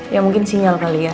ya mungkin sinyal kali ya